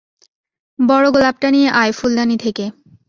বড়ো গোলাপটা নিয়ে আয় ফুলদানি থেকে।